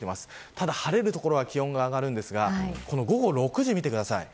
ただ晴れる所は気温が上がりますが午後６時を見てください。